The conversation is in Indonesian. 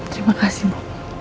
terima kasih bu